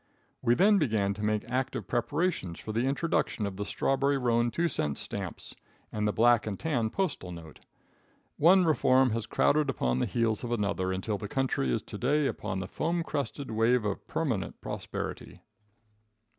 We then began to make active preparations for the introduction of the strawberry roan two cent stamps and the black and tan postal note. One reform has crowded upon the heels of another, until the country is to day upon the foam crested wave of permanent prosperity.